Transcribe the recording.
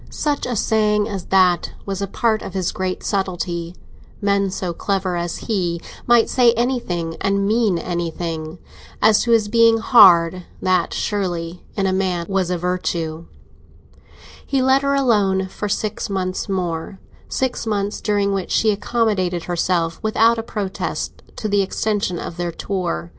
Such a saying as that was a part of his great subtlety—men so clever as he might say anything and mean anything. And as to his being hard, that surely, in a man, was a virtue. He let her alone for six months more—six months during which she accommodated herself without a protest to the extension of their tour.